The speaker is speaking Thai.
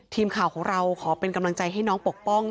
ทีมข่าวของเราขอเป็นกำลังใจให้น้องปกป้อง